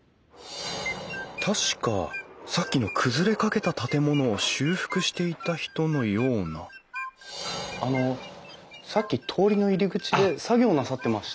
確かさっきの崩れかけた建物を修復していた人のようなあのさっき通りの入り口で作業なさってました？